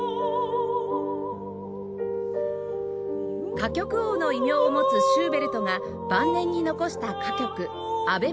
「歌曲王」の異名を持つシューベルトが晩年に残した歌曲『アヴェ・マリア』